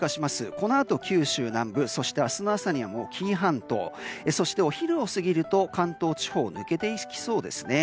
このあと九州南部明日の朝には紀伊半島そして、お昼を過ぎると関東地方を抜けてきそうです。